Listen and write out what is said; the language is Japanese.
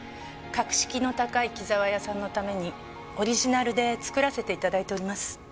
格式の高い紀澤屋さんのためにオリジナルで作らせて頂いております。